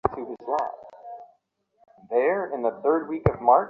নিসার আলি বললেন, আমি আপনার এ-বাড়িতে আগে একবার এসেছি।